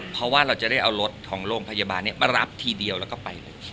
เพราะว่าเราจะได้เอารถของโรงพยาบาลมารับทีเดียวแล้วก็ไปเลย